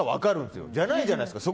そうじゃないじゃないですか。